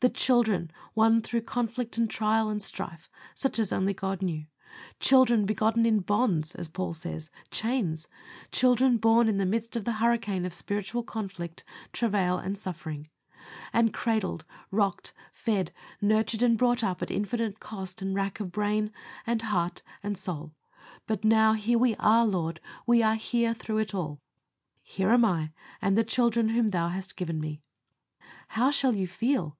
the children won through conflict, and trial, and strife, such as only God knew; "Children begotten in bonds," as Paul says chains children born in the midst of the hurricane of spiritual conflict, travail, and suffering, and cradled, rocked, fed, nurtured, and brought up at infinite cost and rack of brain, and heart, and soul; but now, here we are, Lord. We are here through it all. "Here am I and the children whom Thou hast given me." How shall you feel?